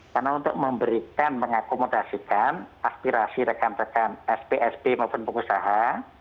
karena untuk memberikan mengakomodasikan aspirasi rekan rekan spsb maupun pengusaha